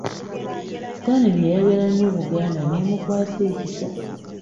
Stanley yayagala nnyo Buganda n'emukwasa ekisa.